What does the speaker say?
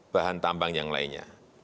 bahan tambang yang lainnya